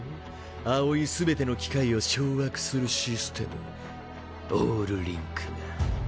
葵全ての機械を掌握するシステムオールリンクが。